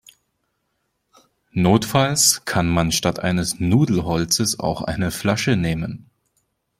Notfalls kann man statt eines Nudelholzes auch eine Flasche nehmen.